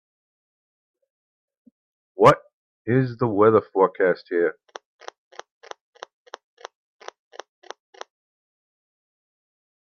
What is the weather forecast here